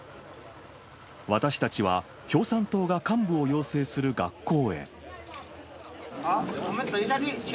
私たちは、共産党が幹部を養成する学校へ。